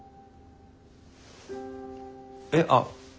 えっあっ